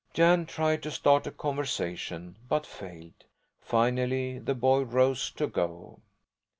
Jan tried to start a conversation, but failed. Finally the boy rose to go.